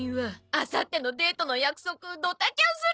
あさってのデートの約束ドタキャンするんだもん。